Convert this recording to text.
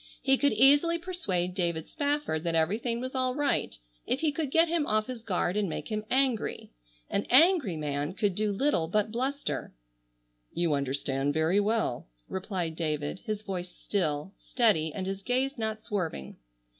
He could easily persuade David Spafford that everything was all right if he could get him off his guard and make him angry. An angry man could do little but bluster. "You understand very well," replied David, his voice still, steady and his gaze not swerving.